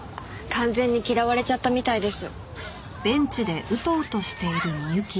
完全に嫌われちゃったみたいです。